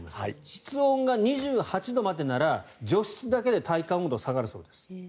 室温が２８度までなら除湿だけで体感温度が下がるそうです。